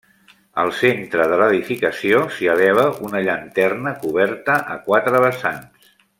Al centre de l'edificació s'hi eleva una llanterna coberta a quatre vessants.